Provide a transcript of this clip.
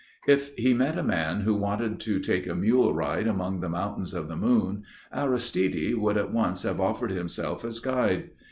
If he met a man who wanted to take a mule ride among the Mountains of the Moon, Aristide would at once have offered himself as guide.